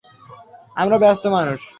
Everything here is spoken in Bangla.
আমরা ব্যস্ত মানুষ।